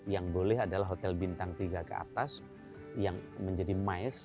yang boleh adalah hotel bintang tiga ke atas yang menjadi mais